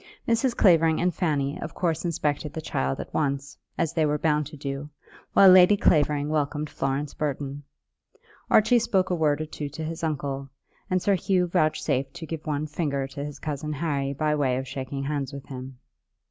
Mrs. Clavering and Fanny of course inspected the child at once, as they were bound to do, while Lady Clavering welcomed Florence Burton. Archie spoke a word or two to his uncle, and Sir Hugh vouchsafed to give one finger to his cousin Harry by way of shaking hands with him.